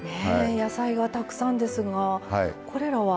野菜がたくさんですがこれらは？